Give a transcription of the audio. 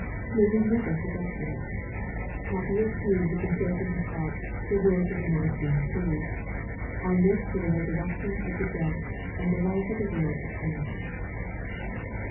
May we never forget this 1 Happy is he who can say from his heart the words of the Nicene Creed, " I look for the resunec tion of the dead, and the life of the world to come."